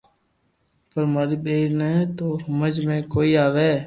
پر ماري ٻيئر ني تو ھمج ۾ ڪوئي َآوي